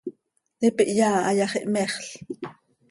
Hipi hyaa ha yax, ihmexl.